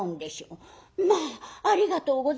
「まあありがとうございます。